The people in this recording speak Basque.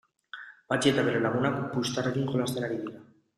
Patxi eta bere lagunak puxtarriekin jolasten ari dira.